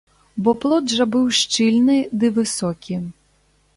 Бо плот жа быў шчыльны ды высокі.